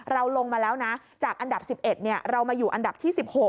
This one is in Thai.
เราลงมาแล้วนะจากอันดับ๑๑เรามาอยู่อันดับที่๑๖